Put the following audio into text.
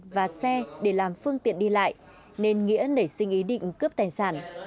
và xe để làm phương tiện đi lại nên nghĩa nảy sinh ý định cướp tài sản